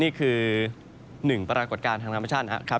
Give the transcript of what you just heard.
นี่คือหนึ่งประกวดจากทางน้ำประชาชน